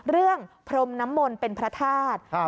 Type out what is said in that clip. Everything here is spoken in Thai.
เรื่องพรมน้ำมนต์เป็นพระธาตุ